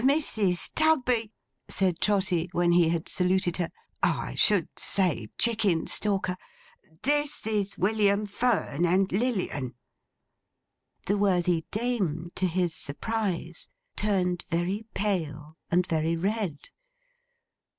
Mrs. Tugby,' said Trotty when he had saluted her;—'I should say, Chickenstalker—This is William Fern and Lilian.' The worthy dame, to his surprise, turned very pale and very red.